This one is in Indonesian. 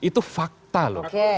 itu fakta loh